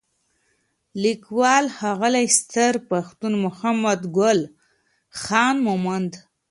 لیکوال: ښاغلی ستر پښتون محمدګل خان مومند